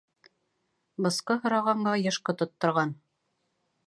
Бысҡы һорағанға йышҡы тотторған.